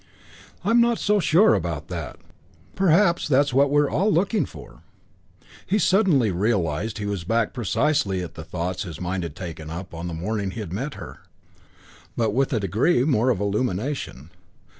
I'm not so sure about that. Perhaps that's what we're all looking for " He suddenly realised that he was back precisely at the thoughts his mind had taken up on the morning he had met her. But with a degree more of illumination.